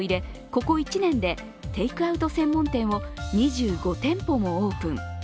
ここ１年でテイクアウト専門店を２５店舗もオープン。